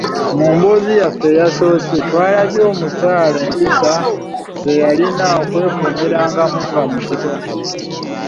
Mu mboozi yaffe eyasoose, twalabye empisa omukyala ze yalinanga okwekuumirangamu nga muzito.